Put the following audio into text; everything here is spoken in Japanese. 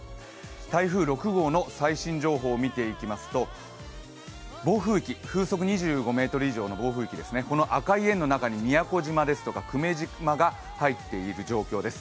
台風６号の最新情報を見ていきますと、風速２０メートル以上の暴風域ですね、赤い円の中に宮古島や久米島が入っている状況です。